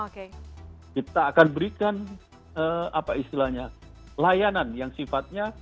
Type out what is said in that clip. kita akan berikan apa istilahnya layanan yang sifatnya